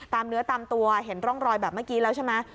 เนื้อตามตัวเห็นร่องรอยแบบเมื่อกี้แล้วใช่ไหม